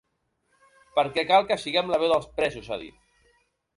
Perquè cal que siguem la veu dels presos, ha dit.